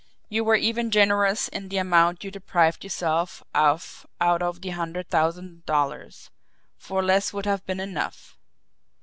You were even generous in the amount you deprived yourself of out of the hundred thousand dollars for less would have been enough.